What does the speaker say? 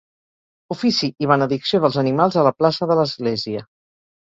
Ofici i benedicció dels animals a la plaça de l'Església.